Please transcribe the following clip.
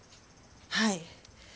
はい。